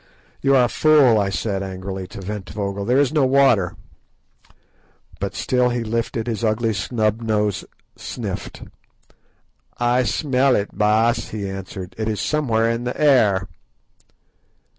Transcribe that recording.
"You are a fool," I said angrily to Ventvögel; "there is no water." But still he lifted his ugly snub nose and sniffed. "I smell it, Baas," he answered; "it is somewhere in the air."